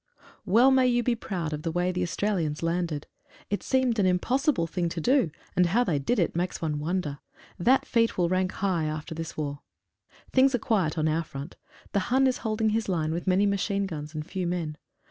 ELL may you be proud of the way the Australians landed. It seemed an impossible thing to do, and how they did it, makes one wonder. That feat will rank high after this war. Things are quiet on our front. The Hun is holding his line with many ma chine guns and few men.